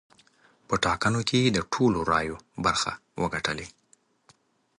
په ټاکنو کې یې د ټولو رایو برخه وګټلې.